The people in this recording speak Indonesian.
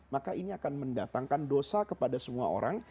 maka ini akan mendatangkan dosa kepada semua orang